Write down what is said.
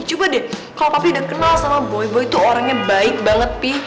coba deh kalau papi udah kenal sama boy boy tuh orangnya baik banget bi